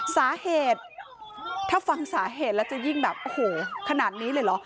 สาเหตุถ้าฟังสาเหตุแล้วจะยิ่งแบบโอ้โหขนาดนี้เลยเหรอ